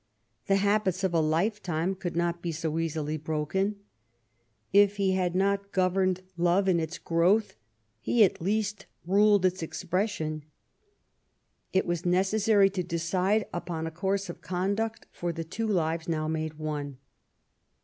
The habits of a life time could not bo so easily broken. If he had not governed love in it& growth, he at least ruled its expression. It was neces sary to decide upon a course of conduct for the two y lives now made one.